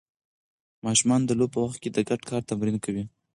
ماشومان د لوبو په وخت کې د ګډ کار تمرین کوي.